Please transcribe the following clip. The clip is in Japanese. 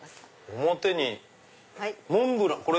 表にモンブラン。